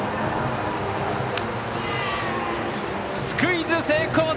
スクイズ成功！